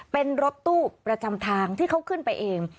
เป็นรถตู้ประจำทางที่เขาขึ้นไปเอง